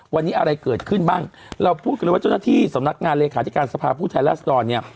วันนี้อะไรเกิดขึ้นบ้างเราพูดกันเลยว่าเจ้าหน้าที่สำนักงานเลขาธิการสภาพผู้แทนรัศดรเนี่ย